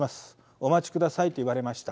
お待ちください」と言われました。